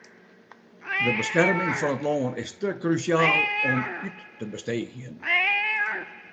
De beskerming fan it lân is te krúsjaal om út te besteegjen.